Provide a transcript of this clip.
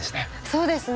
そうですよ！